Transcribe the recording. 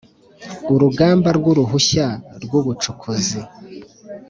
Urugamba ry uruhushya rw ubucukuzi